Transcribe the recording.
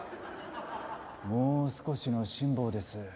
もう少しの辛抱です。